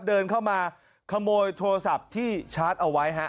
เดินเข้ามาขโมยโทรศัพท์ที่ชาร์จเอาไว้ฮะ